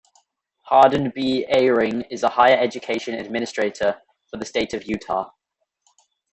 Harden B. Eyring is a higher education administrator for the State of Utah.